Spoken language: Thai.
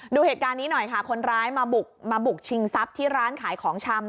ดูเหตุการณ์นี้หน่อยค่ะคนร้ายมาบุกมาบุกชิงทรัพย์ที่ร้านขายของชำ